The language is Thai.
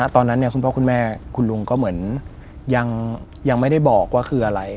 ตอนนั้นเนี่ยคุณพ่อแม่คุณลุงก็เหมือนยังไม่ได้บอกคืออะไร